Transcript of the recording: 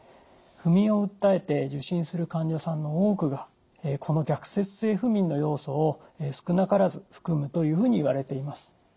不眠を訴えて受診する患者さんの多くがこの逆説性不眠の要素を少なからず含むというふうにいわれています。